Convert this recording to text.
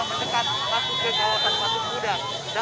terima kasih kami ucapkan kepada